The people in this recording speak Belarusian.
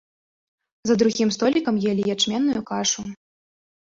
За другім столікам елі ячменную кашу.